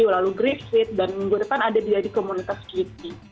lalu griffith dan minggu depan ada di komunitas kewki